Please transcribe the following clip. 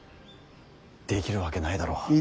できるわけないだろう。